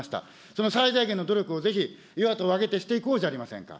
その最大限の努力をぜひ与野党挙げてしていこうじゃありませんか。